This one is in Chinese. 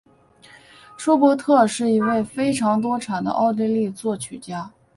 舒伯特是一位非常多产的奥地利作曲家。